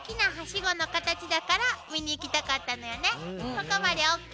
ここまでＯＫ？